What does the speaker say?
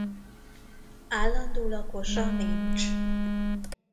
Állandó lakosa nincs.